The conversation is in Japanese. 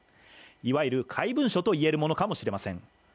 いわゆる怪文書といえるものかもしれません。